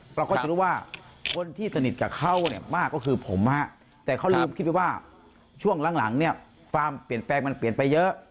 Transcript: เราก็จะรู้ว่าคนที่สนิทกับเขาเนี่ยมากก็คือผมแต่เขาลืมคิดไปว่าช่วงหลังเนี่ยความเปลี่ยนแปลงมันเปลี่ยนไปเยอะ